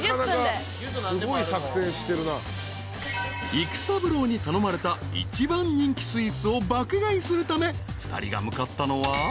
［育三郎に頼まれた一番人気スイーツを爆買いするため２人が向かったのは］